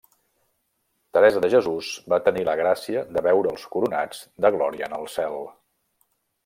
Teresa de Jesús va tenir la gràcia de veure'ls coronats de Glòria en el cel.